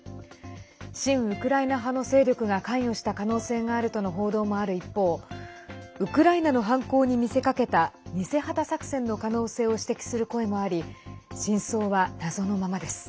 親ウクライナ派の勢力が関与した可能性があるとの報道もある一方ウクライナの犯行に見せかけた偽旗作戦の可能性を指摘する声もあり真相は謎のままです。